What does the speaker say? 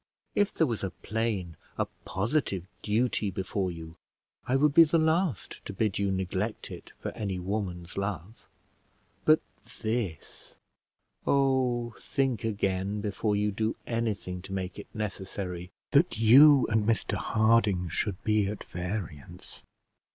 If there was a plain, a positive duty before you, I would be the last to bid you neglect it for any woman's love; but this ; oh, think again, before you do anything to make it necessary that you and Mr Harding should be at variance."